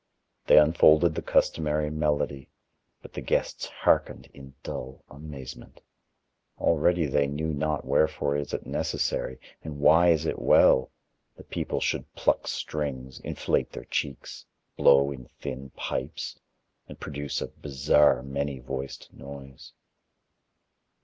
They unfolded the customary melody but the guests hearkened in dull amazement. Already they knew not wherefore is it necessary, and why is it well, that people should pluck strings, inflate their cheeks, blow in thin pipes, and produce a bizarre, many voiced noise.